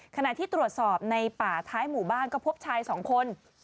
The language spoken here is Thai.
ขณะที่ตรวจสอบในป่าท้ายหมู่บ้านก็พบชายสองคน